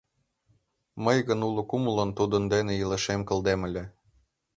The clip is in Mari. Мый гын уло кумылын тудын дене илышемым кылдем ыле...